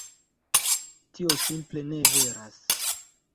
Tio simple ne veras.